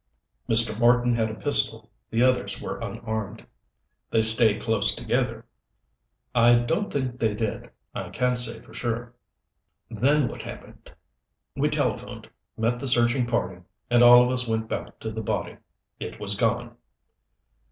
"Mr. Marten had a pistol. The others were unarmed." "They stayed close together?" "I don't think they did. I can't say for sure." "Then what happened?" "We telephoned, met the searching party, and all of us went back to the body. It was gone."